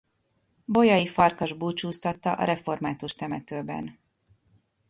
Bolyai Farkas búcsúztatta a református temetőben.